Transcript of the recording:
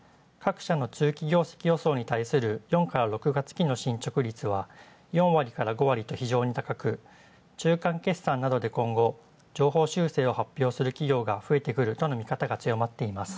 各社の通期業績予想に対する４−６月期の進捗率は、４割から５割と非常に高く、中間決算などで今後、上方修正を発表する企業が増えてくるとの見方が強まっています。